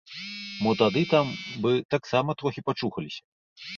Мо тады там бы таксама трохі пачухаліся.